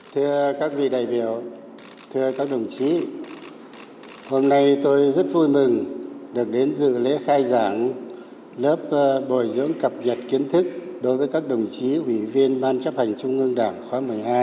thưa các vị đại biểu thưa các đồng chí hôm nay tôi rất vui mừng được đến dự lễ khai giảng lớp bồi dưỡng cập nhật kiến thức đối với các đồng chí ủy viên ban chấp hành trung ương đảng khóa một mươi hai